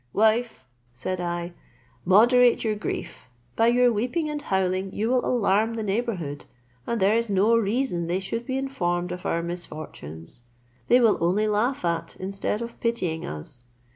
"Wife," said I, "moderate your grief: by your weeping and howling you will alarm the neighbourhood, and there is no reason they should be informed of our misfortunes. They will only laugh at, instead of pitying us.